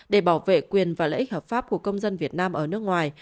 để bảo vệ quyền và lợi ích hợp pháp của công dân việt nam ở nước ngoài